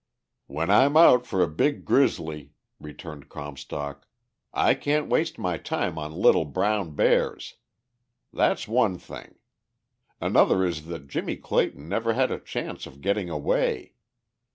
"When I'm out for a big grizzily," returned Comstock, "I can't waste my time on little brown bears! That's one thing. Another is that Jimmie Clayton never had a chance of getting away.